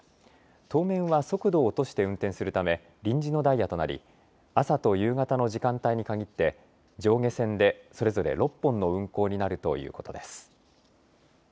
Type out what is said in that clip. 当面は速度を落として運転するため臨時のダイヤとなり朝と夕方の時間帯に限って上下線でそれぞれ６本の運行になるということです。